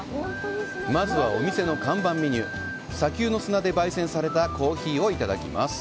まずは、お店の看板メニュー、砂丘の砂で焙煎されたコーヒーをいただきます。